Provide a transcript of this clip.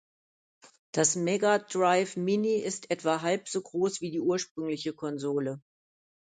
Das Mega Drive Mini ist etwa halb so groß wie die ursprüngliche Konsole.